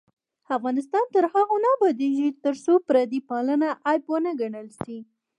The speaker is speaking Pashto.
افغانستان تر هغو نه ابادیږي، ترڅو پردی پالنه عیب ونه ګڼل شي.